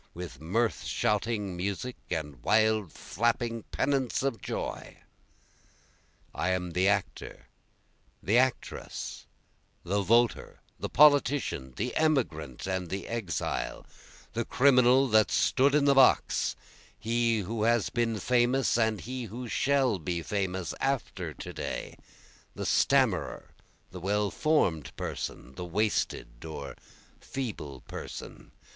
with mirth shouting music and wild flapping pennants of joy! I am the actor, the actress, the voter, the politician, The emigrant and the exile, the criminal that stood in the box, He who has been famous and he who shall be famous after to day, The stammerer, the well form'd person, the wasted or feeble person.